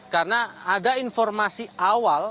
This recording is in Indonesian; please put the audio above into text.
karena ada informasi awal